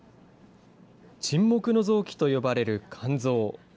沈黙の臓器と呼ばれる肝臓。